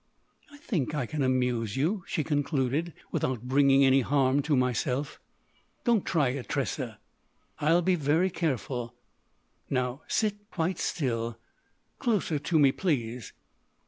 "I think I can amuse you," she concluded, "without bringing any harm to myself." "Don't try it, Tressa!— " "I'll be very careful. Now, sit quite still—closer to me, please."